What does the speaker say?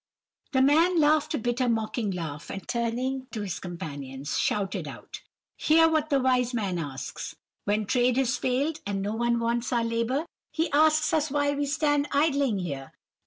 "The man laughed a bitter mocking laugh, and turning to his companions, shouted out, 'Hear what the wise man asks! When trade has failed, and no one wants our labour, he asks us why we stand idling here!